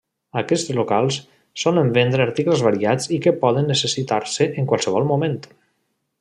Aquests locals solen vendre articles variats i que poden necessitar-se en qualsevol moment.